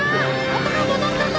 音がもどったぞ！